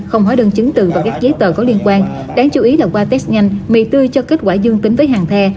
không hóa đơn chứng từ và các giấy tờ có liên quan đáng chú ý là qua test nhanh mì tươi cho kết quả dương tính với hàng the